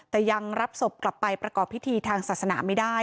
แต่ยังรับศพกลับไปประกอบพิธีทางศาสนาไม่ได้